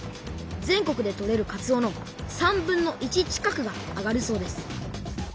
全国で取れるかつおの３分の１近くがあがるそうです。